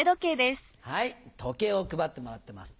はい時計を配ってもらってます。